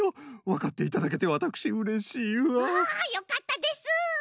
わかっていただけてわたくしうれしいわ。わよかったです。